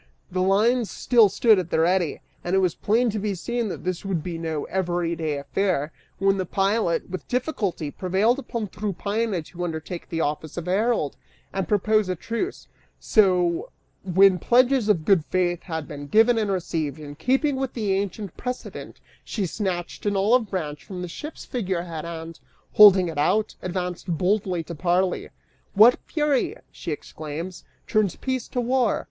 The lines still stood at the ready, and it was plain to be seen that this would be no everyday affair, when the pilot, with difficulty, prevailed upon Tryphaena to undertake the office of herald, and propose a truce; so, when pledges of good faith had been given and received, in keeping with the ancient precedent she snatched an olive branch from the ship's figurehead and, holding it out, advanced boldly to parley. "What fury," she exclaims, "turns peace to war?